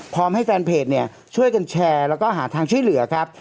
ให้แฟนเพจเนี่ยช่วยกันแชร์แล้วก็หาทางช่วยเหลือครับ